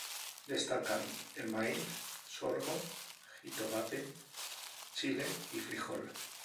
Destacan el maíz, sorgo, jitomate, chile y frijol.